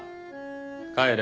帰れ。